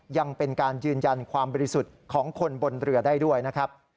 ยังเป็นการยืนยันความบริสุทธิ์ของคนบนเรือได้ด้วยนะครับ